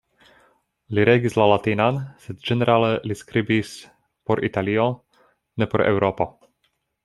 Li regis la latinan, sed ĝenerale li skribis por Italio, ne por Eŭropo.